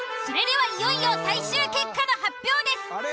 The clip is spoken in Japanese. それではいよいよ最終結果の発表です。